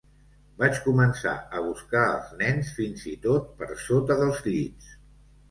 Vaig començar a buscar els nens fins i tot per sota dels llits.